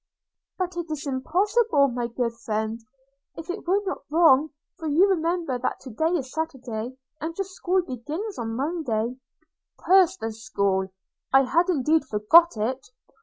'But it is impossible, my good friend, if it were not wrong; for you remember that to day is Saturday, and your school begins on Monday.' 'Curse on the school! I had indeed forgot it.